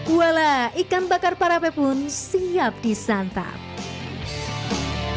wala ikan bakar parape pun siap disantap